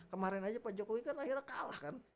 kemarin aja pak jokowi kan akhirnya kalah kan